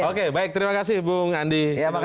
oke baik terima kasih bu nandi